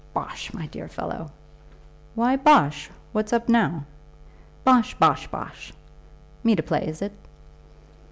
"Bosh, my dear fellow." "Why bosh? What's up now?" "Bosh! Bosh! Bosh! Me to play, is it?"